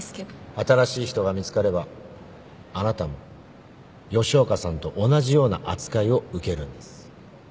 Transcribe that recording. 新しい人が見つかればあなたも吉岡さんと同じような扱いを受けるんです。